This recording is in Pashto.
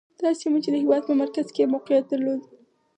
دا سیمه چې د هېواد په مرکز کې یې موقعیت درلود.